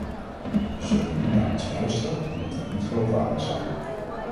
Ze zullen niet naar ons luisteren omdat wij niet geloofwaardig zijn.